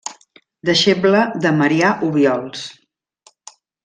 Deixebla de Marià Obiols.